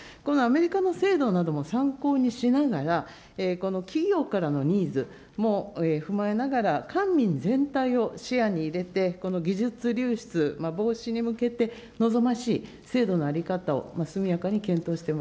このアメリカの制度なども参考にしながら、この企業からのニーズも踏まえながら、官民全体を視野に入れて、この技術流出防止に向けて、望ましい制度の在り方を速